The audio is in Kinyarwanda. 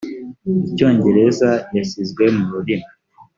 icyongereza yashyizwe mu rurimi